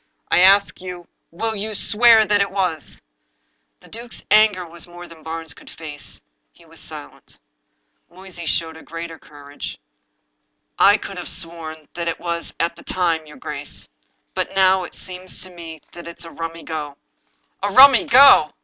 I ask you, will you swear it was?" The duke's anger was more than Barnes could face. He was silent. Moysey showed a larger courage. " I could have sworn that it was at the time, your grace. But now it seems to me that it's a rummy go." " A rummy go!